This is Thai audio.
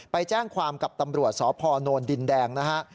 ไปแจ้งความกับตำรวจสพนดินแดงนะฮะ